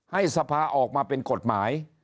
สภาออกมาเป็นกฎหมาย